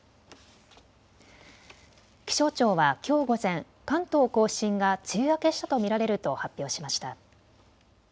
気象庁はきょう午前、関東甲信が梅雨明けしたと見られると発表しました。